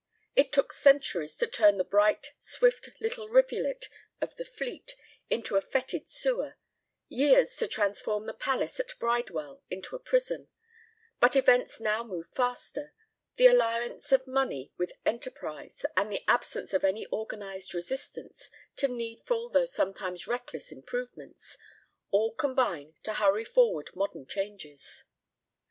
It took centuries to turn the bright, swift little rivulet of the Fleet into a fœtid sewer, years to transform the palace at Bridewell into a prison; but events now move faster: the alliance of money with enterprise, and the absence of any organised resistance to needful though sometimes reckless improvements, all combine to hurry forward modern changes.